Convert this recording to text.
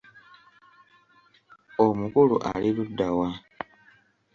Omukulu ali ludda wa?